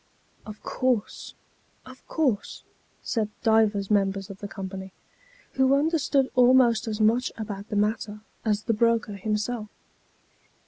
" Of course, of course," said divers members of the company, who understood almost as much about the matter as the broker himself.